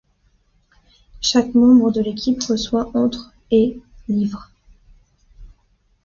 Chaque membre de l'équipe reçoit entre et £.